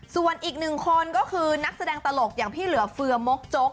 ส่วนอีกหนึ่งคนก็คือนักแสดงตลกอย่างพี่เหลือเฟือมกจก